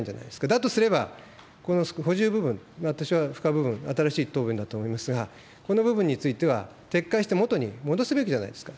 だとすれば、この補充部分、私は付加部分、新しい答弁だと思いますが、この部分については、撤回して元に戻すべきじゃないですか。